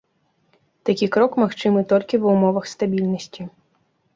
Такі крок магчымы толькі ва ўмовах стабільнасці.